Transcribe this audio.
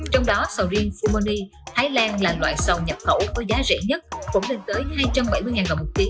trong đó sầu riêng fumoni thái lan là loại sầu nhập khẩu có giá rẻ nhất cũng lên tới hai trăm bảy mươi đồng một ký